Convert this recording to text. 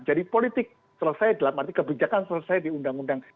jadi politik selesai dalam arti kebijakan selesai di undang undang